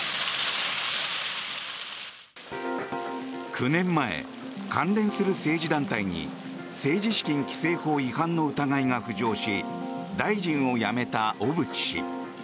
９年前、関連する政治団体に政治資金規正法違反の疑いが浮上し大臣を辞めた小渕氏。